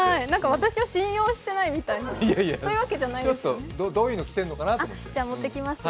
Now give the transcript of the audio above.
私を信用してないみたいな、そういうわけじゃないんですね？